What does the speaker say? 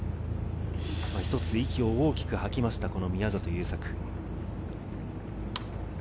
ひとつ息を大きく吐きました、宮里優作。